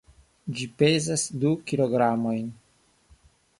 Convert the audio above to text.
Ĝi pezas du kilogramojn.